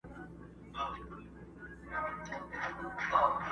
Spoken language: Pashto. طبیعت د انسانانو نه بدلیږي،،!